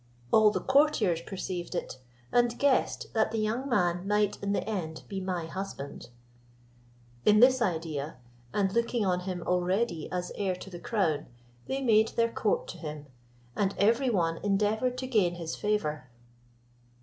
All the courtiers perceived it, and guessed that the young man might in the end be my husband. In this idea, and looking on him already as heir to the crown, they made their court to him, and every one endeavoured to gain his favour.